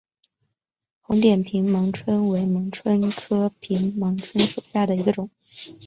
红点平盲蝽为盲蝽科平盲蝽属下的一个种。